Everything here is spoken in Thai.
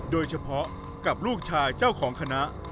โดยเฉพาะกับลูกชายเจ้าของคณะ